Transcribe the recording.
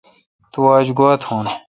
تو آج گوا تھون۔